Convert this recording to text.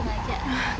gak apa apa mbak